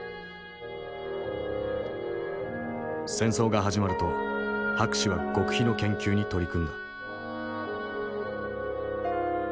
戦争が始まると博士は極秘の研究に取り組んだ。